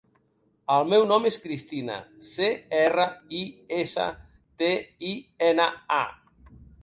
El meu nom és Cristina: ce, erra, i, essa, te, i, ena, a.